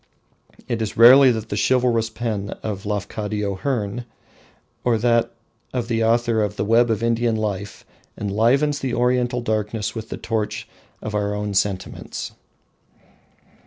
It is rarely that the chivalrous pen of a Lafcadio Hearn or that of the author of "The Web of Indian Life" enlivens the Oriental darkness with the torch of our own sentiments.